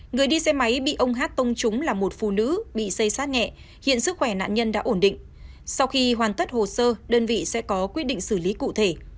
người đi xe máy bị ông hát tông trúng là một phụ nữ bị xây sát nhẹ hiện sức khỏe nạn nhân đã ổn định sau khi hoàn tất hồ sơ đơn vị sẽ có quyết định xử lý cụ thể